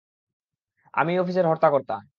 আমিই অফিসের হর্তাকর্তা।